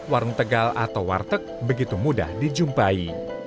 warung tegal atau warteg begitu mudah dijumpai